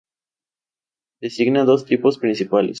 Designa dos tipos principales.